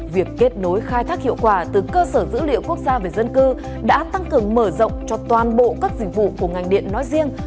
việc kết nối khai thác hiệu quả từ cơ sở dữ liệu quốc gia về dân cư đã tăng cường mở rộng cho toàn bộ các dịch vụ của ngành điện nói riêng